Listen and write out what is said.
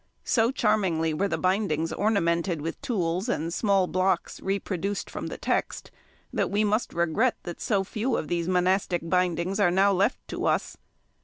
So charmingly were the bindings ornamented with tools and small blocks reproduced from the text, that we must regret that so few of these monastic bindings are now left to us.